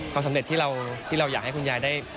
ความสำเร็จที่เราอยากให้คุณยายได้